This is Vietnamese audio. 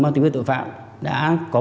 bán tình huyết tội phạm đã có